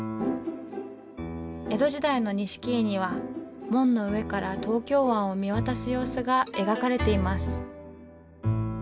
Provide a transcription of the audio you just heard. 江戸時代の錦絵には門の上から東京湾を見渡す様子が描かれています。